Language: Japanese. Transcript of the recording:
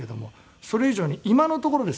それ以上に今のところですよ